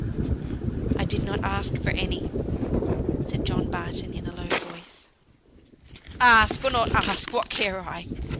"I did not ask for any," said John Barton, in a low voice. "Ask, or not ask, what care I?